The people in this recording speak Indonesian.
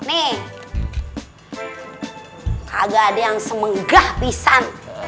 nih kagak ada yang semenggah pisang